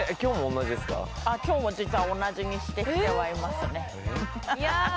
今日も実は同じにしてきてはいますねいやあっ